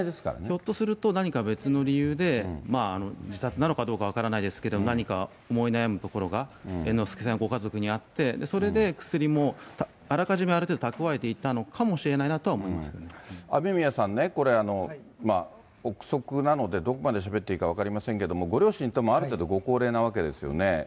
ひょっとすると何か別の理由で、自殺なのかどうか分からないですけど、何か思い悩むところが、猿之助さんご家族にあって、それで薬もあらかじめ、ある程度、雨宮さんね、これ、臆測なので、どこまでしゃべっていいか分かりませんけども、ご両親ともある程度ご高齢なわけですよね。